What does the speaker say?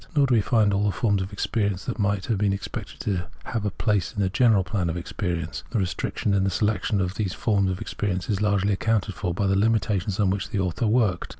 Nor do we find all the forms of experience that might have been expected to have a place in the general plan of experience. This restriction in the selection of the forms of experience is largely accounted for by the hmitations under which the author worked.